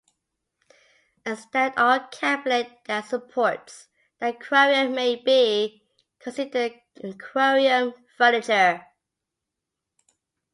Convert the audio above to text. A stand or cabinet that supports the aquarium may be considered aquarium furniture.